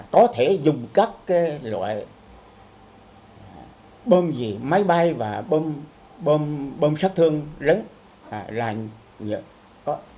có thể dùng các loại bơm gì máy bay và bơm sát thương rất là nhiệt